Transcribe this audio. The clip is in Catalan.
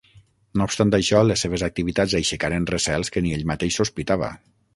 No obstant això, les seves activitats aixecaren recels que ni ell mateix sospitava.